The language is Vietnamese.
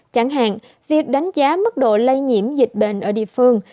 chẳng hạn việc đánh giá mức độ lây nhiễm dịch bệnh ở địa phương